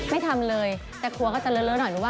ไม่ทำเลยแต่ครัวก็จะเลอะหน่อยหนูว่า